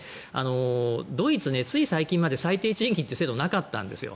ドイツ、つい最近まで最低賃金という制度なかったんですよ。